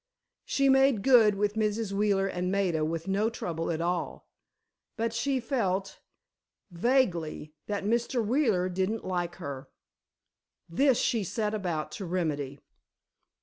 She made good with Mrs. Wheeler and Maida with no trouble at all; but she felt, vaguely, that Mr. Wheeler didn't like her. This she set about to remedy.